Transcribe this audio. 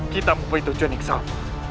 kita mempunyai tujuan yang sama